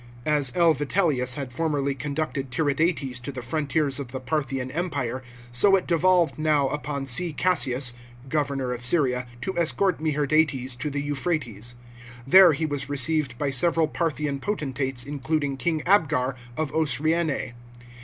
As L. Vitellius had formerly conducted Tiridates to the frontiers of the Parthian empire, so it devolved now upon 0. Cassius, governor of Syria, to escort Meherdates to the Euphrates. There he was received by several Parthian potentates, including king Abgar of Osroene.